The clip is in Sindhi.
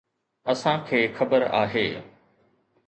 اسان کي خبر آهي.